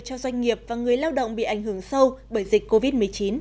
cho doanh nghiệp và người lao động bị ảnh hưởng sâu bởi dịch covid một mươi chín